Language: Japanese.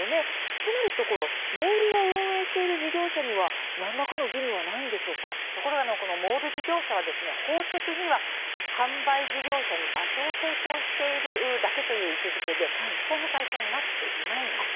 そうなるとモールを運営している事業者にはところがモール事業者は法的には販売事業者に場所を提供しているだけという位置づけで規制の対象になっていないんです。